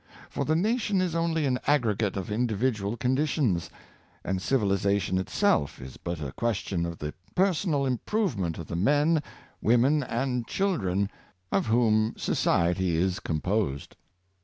For the nation is only an aggregate of individual 168 National Progress. conditions, and civilization itself is but a question of the personal improvement of the men, women, and children of whom society is composed.